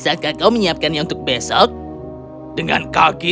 wedaka bukti semuanya sangat ilak duyt dan demi hewan lewati